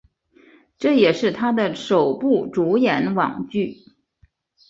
这也是他的首部主演网剧。